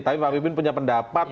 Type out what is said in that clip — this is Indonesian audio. tapi pak pimpin punya pendapat